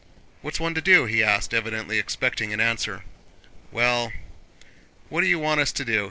What's one to do?" he asked, evidently expecting an answer. "Well, what do you want us to do?"